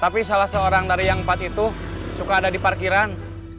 tapi salah seorang dari yang empat itu suka ada di parkiran